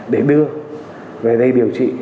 để đưa về đây điều trị